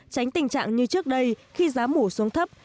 tránh tình trạng như trước đây khi giá mủ xuống thấp